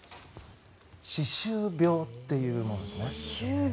歯周病というものなんですね。